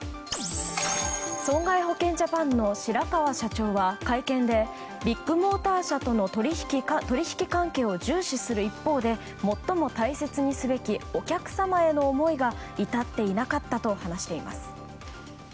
損害保険ジャパンの白川儀一社長は会見でビッグモーター社との取引関係を重視する一方で最も大切にすべきお客様への思いが至っていなかったと話しています。